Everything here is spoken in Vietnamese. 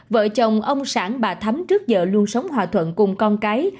vợ chồng ông sản bà thấm trước giờ luôn sống hòa thuận cùng con cái